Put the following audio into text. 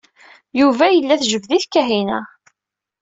Yuba yella tejbed-it Kahina.